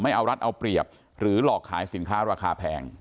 เอารัฐเอาเปรียบหรือหลอกขายสินค้าราคาแพง